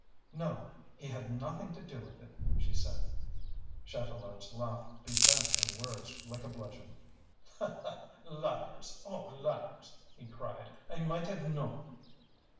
"No he had nothing to do with it," she said. Chatelard's laugh beat back her words like a bludgeon. "Liars, all liars!" he cried. "I might have known!"